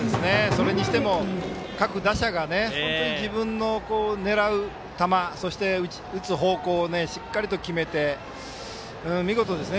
それにしても、各打者が自分の狙う球、そして打つ方向をしっかりと決めて見事ですね。